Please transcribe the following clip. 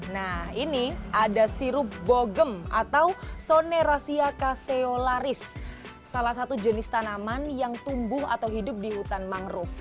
nah ini ada sirup bogem atau sonerasia caseolaris salah satu jenis tanaman yang tumbuh atau hidup di hutan mangrove